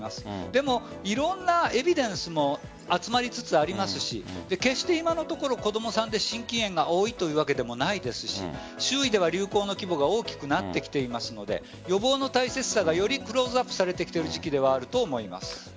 でも、いろんなエビデンスも集まりつつありますし決して今のところ子供さんで心筋炎が多いというわけでもないですし周囲では流行の規模が大きくなってきていますので予防の大切さが、よりクローズアップされてきている時期ではあると思います。